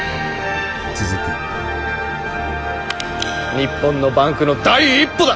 日本のバンクの第一歩だ！